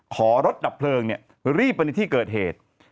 ขอรถดับเพลิงรีบไปในที่เกิดเหตุ